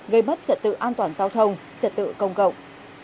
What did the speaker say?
gây mất trật tự an toàn giao thông trật tự công cộng